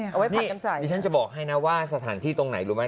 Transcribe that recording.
อันนี้ฉันจะบอกให้นะว่าสถานที่ตรงไหนรู้ไหม